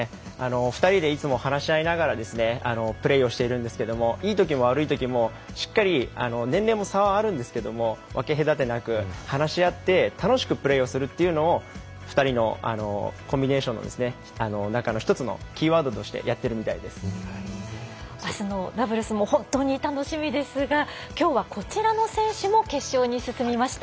２人でいつも話し合いながらプレーをしているんですけどもいいときも悪いときもしっかり年齢も差はあるんですけれども分け隔てなく話し合って楽しくプレーをするというのを２人のコンビネーションの中の１つのキーワードとしてあすのダブルスも本当に楽しみですがきょうはこちらの選手も決勝に進みました。